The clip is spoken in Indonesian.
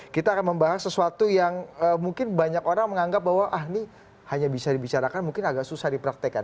kita akan membahas sesuatu yang mungkin banyak orang menganggap bahwa ah ini hanya bisa dibicarakan mungkin agak susah dipraktekan